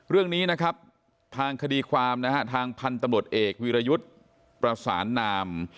เรื่องนี้นะครับทางคดีความนะฮะทางพันธุ์ตำรวจเอกวิรยุทธ์ประสานนาม